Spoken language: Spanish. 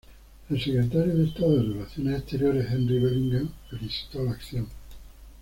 El secretario de Estado de Relaciones Exteriores, Henry Bellingham, felicitó la acción.